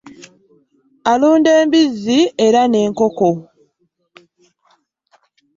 Alunda embizzi era ne nkoko.